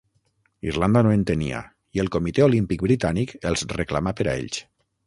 Irlanda no en tenia i el Comitè Olímpic Britànic els reclamà per a ells.